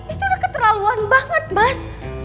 itu udah keterlaluan banget mas